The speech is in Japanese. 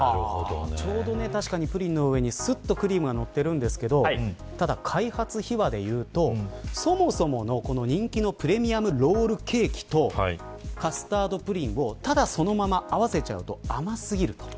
ちょうど確かにプリンの上にすっとクリームが乗っていますが開発秘話でいうとそもそもの人気のプレミアムロールケーキとカスタードプリンをただそのまま合わせちゃうと甘過ぎる。